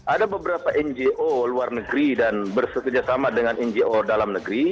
ada beberapa ngo luar negeri dan bersetejasama dengan ngo dalam negeri